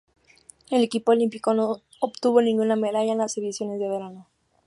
El equipo olímpico no obtuvo ninguna medalla en las ediciones de verano.